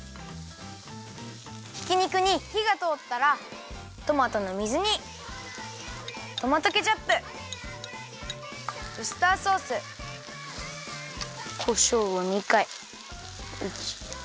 ひき肉にひがとおったらトマトの水煮トマトケチャップウスターソースこしょうを２かい。